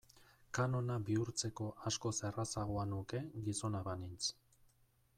Kanona bihurtzeko askoz errazagoa nuke gizona banintz.